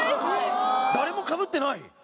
誰もかぶってない！